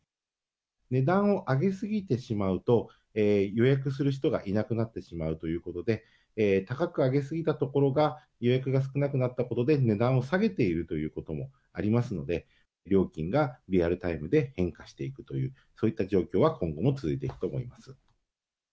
値段を上げ過ぎてしまうと、予約をする人がいなくなってしまうということで、高く上げ過ぎたところが、予約が少なくなったことで、値段を下げているということもありますので、料金がリアルタイムで変化していくという、そういった状況は今後も続いていくと思います。